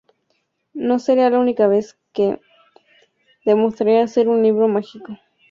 No sería la única vez que "La Historia Interminable" demostraría ser un libro mágico.